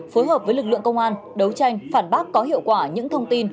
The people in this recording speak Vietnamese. phối hợp với lực lượng công an đấu tranh phản bác có hiệu quả những thông tin